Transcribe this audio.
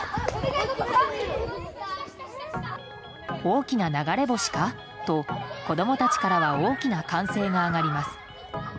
大きな流れ星か？と子供たちからは大きな歓声が上がります。